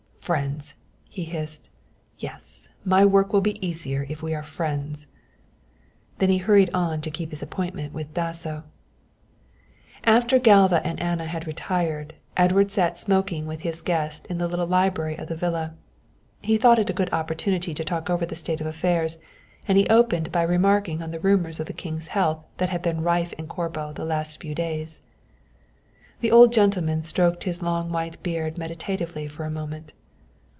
"Friends!" he hissed. "Yes, my work will be easier if we are friends." Then he hurried on to keep his appointment with Dasso. After Galva and Anna had retired, Edward sat smoking with his guest in the little library of the villa. He thought it a good opportunity to talk over the state of affairs, and he opened by remarking on the rumours of the king's health that had been rife in Corbo the last few days. The old gentleman stroked his long white beard meditatively for a moment.